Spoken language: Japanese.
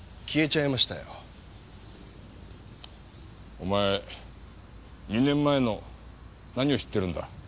お前２年前の何を知ってるんだ？